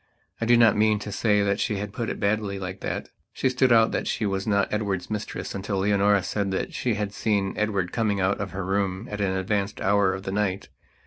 I do not mean to say that she put it baldly, like that. She stood out that she was not Edward's mistress until Leonora said that she had seen Edward coming out of her room at an advanced hour of the night.